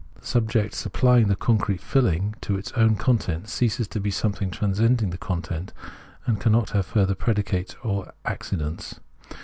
The subject supplying the concrete filling to its own content ceases to be something transcending this content, and cannot have further predicates or accidents.